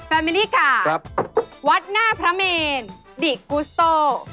มิลี่ค่ะวัดหน้าพระเมนดิกุสโต